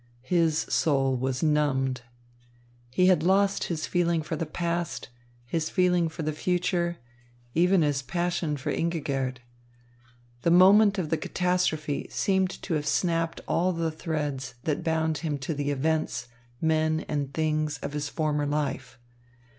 His soul was numbed. He had lost his feeling for the past, his feeling for the future, even his passion for Ingigerd. The moment of the catastrophe seemed to have snapped all the threads that bound him to the events, men, and things of his former life.